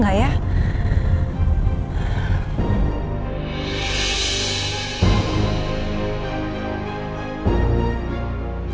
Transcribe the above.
anda jauh dulu ya